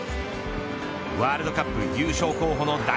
ワールドカップ優勝候補の大